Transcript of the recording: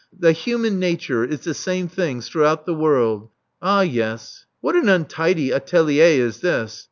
The human nature is the same things throughout the world. Ah yes. What an untidy atelier is this!